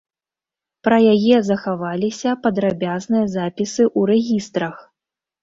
Пра яе захаваліся падрабязныя запісы ў рэгістрах.